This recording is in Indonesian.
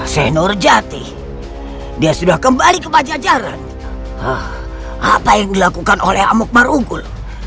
senurjati dia sudah kembali kemaja jalan apa yang dilakukan oleh amuk marugul